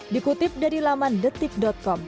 dikutip dari laman detik com